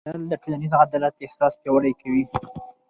پوهېدل د ټولنیز عدالت احساس پیاوړی کوي.